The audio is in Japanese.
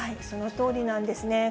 そのとおりなんですね。